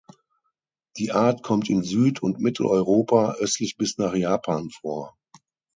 Die Art kommt in Süd- und Mitteleuropa, östlich bis nach Japan vor.